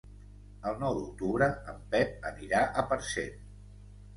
El nou d'octubre en Pep anirà a Parcent.